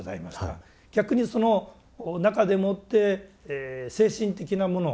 逆にその中でもって精神的なもの